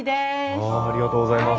ありがとうございます。